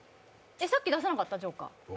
さっき出さなかった、ジョーカー？